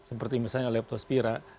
seperti misalnya leptospira